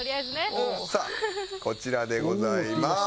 さあこちらでございまーす。